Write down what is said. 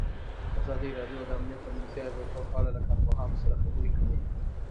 ازادي راډیو د امنیت د منفي اغېزو په اړه له کارپوهانو سره خبرې کړي.